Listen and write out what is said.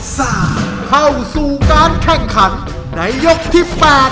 เข้าสู่การแข่งขันในยกที่๘